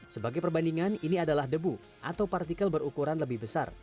sebagai perbandingan ini adalah debu atau partikel berukuran lebih besar